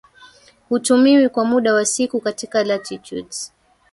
hutumiwi kwa muda wa siku katika latitudes